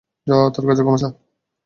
যা, তার কাছে ক্ষমা চা।